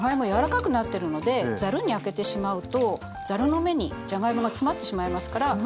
柔らかくなってるのでざるにあけてしまうとざるの目にじゃがいもが詰まってしまいますから。